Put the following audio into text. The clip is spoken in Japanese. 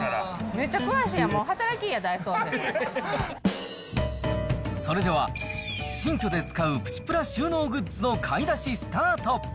めっちゃ詳しいやん、それでは、新居で使うプチプラ収納グッズの買い出しスタート。